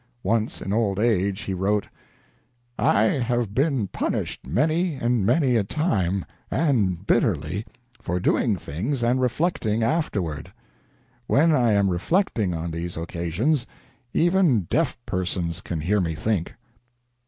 Once, in old age, he wrote: "I have been punished many and many a time, and bitterly, for doing things and reflecting afterward .... When I am reflecting on these occasions, even deaf persons can hear me think."